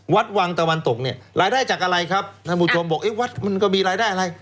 วัดวังตะวันตกเนี่ยรายได้จากอะไรครับท่านผู้ชมบอกเอ๊ะวัดมันก็มีรายได้อะไร